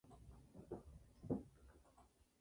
Las hojas se secan a la sombra, en un lugar aireado.